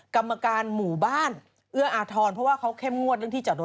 กรรมการหมู่บ้านเอื้ออาทรเพราะว่าเขาเข้มงวดเรื่องที่จะโดน